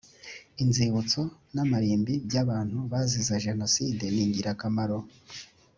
inzibutso namarimbi by ‘abantu bazize jenoside ningirakamaro.